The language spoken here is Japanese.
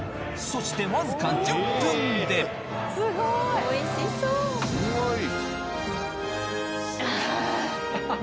そしてわずか１０分であ！